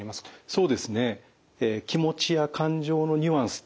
そうですね。